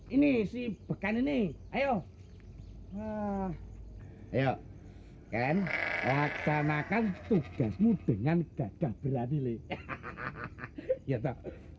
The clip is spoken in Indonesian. ini sih bekan ini ayo ah ya ken akan akan tugasmu dengan gagah beradili hahaha gitu